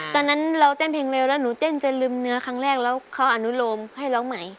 ต่อนนั้นเริ่มต้นเพลงเร็วแล้วหนูเต้นเต้นจะลืมซึ่งห้วงให้น้องใหม่